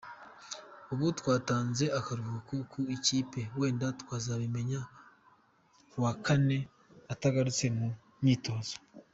Ubu twatanze akaruhuko ku ikipe wenda twazabimenya kuwa Kane atagarutse mu myitozo.